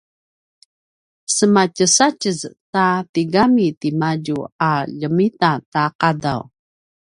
sematjesatjez ta tigami timadju a ljemitaqadaw